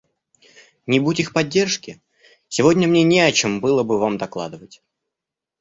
Не будь их поддержки, сегодня мне не о чем было бы вам докладывать.